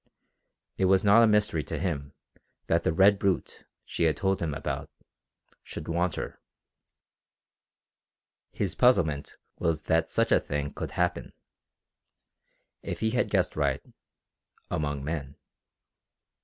It was not a mystery to him that the "red brute" she had told him about should want her. His puzzlement was that such a thing could happen, if he had guessed right, among men.